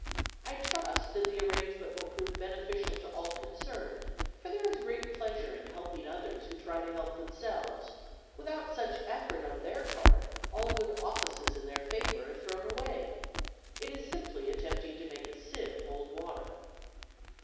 I trust that the arrangement will prove beneficial to all concerned; for there is great pleasure in helping others who try to help themselves; without such effort on their part, all good offices in their favor are thrown away, it is simply attempting to make a sieve hold water.